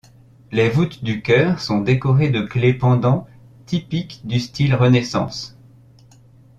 Les voûtes du chœur sont décorées de clefs pendant typique du style Renaissance.